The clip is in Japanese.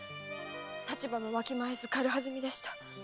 立場もわきまえず軽はずみでした。